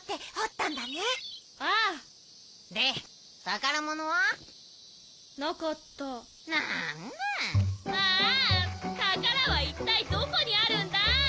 たからはいったいどこにあるんだ！